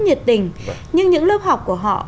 nhiệt tình nhưng những lớp học của họ